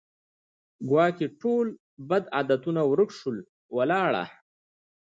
ګواکي ټول بد عادتونه ورک سول ولاړه